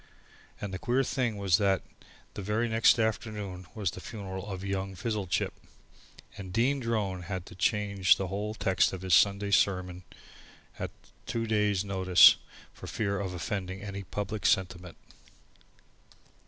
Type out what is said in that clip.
And the queer thing was that the very next afternoon was the funeral of young Fizzlechip, and Dean Drone had to change the whole text of his Sunday sermon at two days' notice for fear of offending public sentiment.